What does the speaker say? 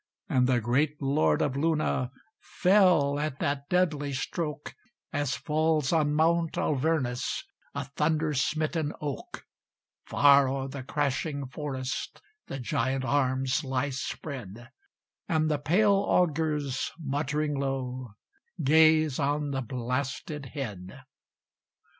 And the great Lord of Luna Fell at that deadly stroke, As falls on Mount Alvernus A thunder smitten oak: Far o'er the crashing forest The giant arms lie spread; And the pale augurs, muttering low, Gaze on the blasted head.